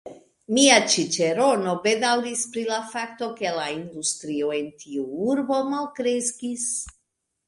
Mia ĉiĉerono bedaŭris pri la fakto, ke la industrio en tiu urbo malkreskis.